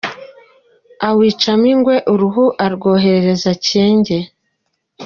awicamo ingwe. Uruhu arwoherereza Cyenge